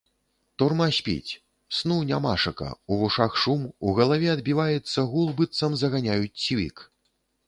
Турма спіць, сну нямашака, у вушах шум, у галаве адбіваецца гул, быццам заганяюць цвік.